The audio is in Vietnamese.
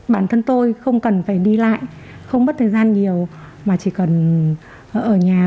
bản thân tôi không cần phải đi lại không mất thời gian nhiều mà chỉ cần ở nhà